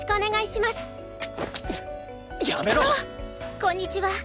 こんにちは。